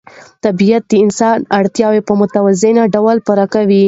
طبیعت د انسان اړتیاوې په متوازن ډول پوره کوي